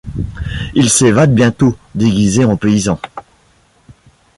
Il s’évade bientôt, déguisé en paysan.